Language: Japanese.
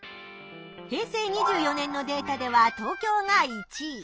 平成２４年のデータでは東京が１位。